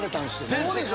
そうでしょ！